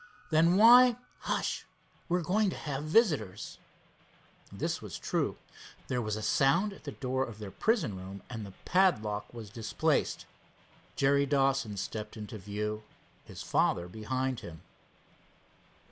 "Then why ?" "Hush! We're going to have visitors." This was true. There was a sound at the door of their prison room, and the padlock was displaced. Jerry Dawson stepped into view, his father behind him.